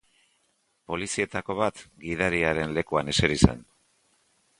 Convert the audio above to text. Polizietako bat gidariaren lekuan eseri zen.